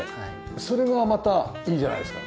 それがまたいいじゃないですか。